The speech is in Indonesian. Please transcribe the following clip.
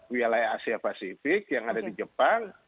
wilayah asia pasifik yang ada di jepang